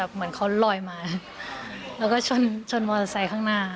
เหมือนเขาลอยมาแล้วก็ชนมอเตอร์ไซค์ข้างหน้า